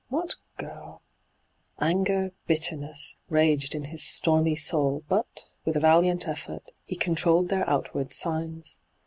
What girl 1 Anger, bitterness, raged in his stormy soul, but, with a valiant effort, he controlled their outward signs.